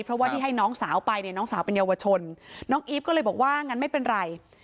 เพราะว่าที่ให้น้องสาวไปเนี่ยน้องสาวเป็นเยาวชนน้องอีฟก็เลยบอกว่างั้นไม่เป็นไร